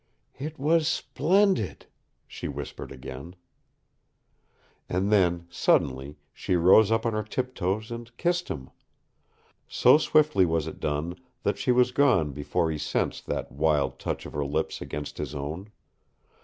"It was splendid!" she whispered again. And then, suddenly, she rose up on her tiptoes and kissed him. So swiftly was it done that she was gone before he sensed that wild touch of her lips against his own.